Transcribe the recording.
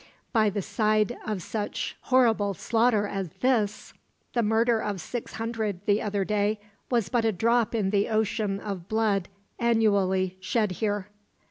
By the side of such horrible slaughter as this, the murder of six hundred, the other day, was but a drop in the ocean of blood annually shed here."